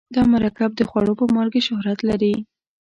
دا مرکب د خوړو په مالګې شهرت لري.